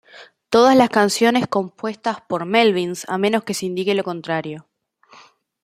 Todas las canciones compuestas por Melvins a menos que se indique lo contrario